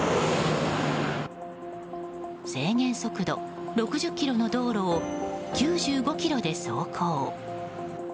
制限速度６０キロの道路を９５キロで走行。